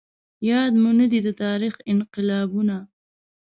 ياد مو نه دي د تاريخ انقلابونه